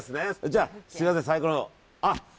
じゃあすみません、サイコロを。